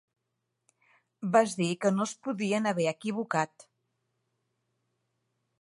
Vas dir que no es podien haver equivocat!